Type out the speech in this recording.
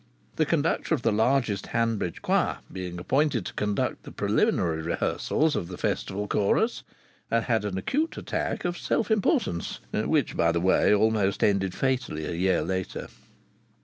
The conductor of the largest Hanbridge choir, being appointed to conduct the preliminary rehearsals of the Festival Chorus, had an acute attack of self importance, which, by the way, almost ended fatally a year later.